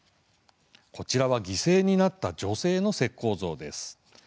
こちらは犠牲になった女性の石こう像です。